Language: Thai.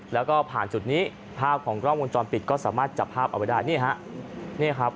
แล้วก็ผ่านจุดนี้ภาพของกล้องวงจรปิดก็สามารถจับภาพเอาไว้ได้นี่ฮะ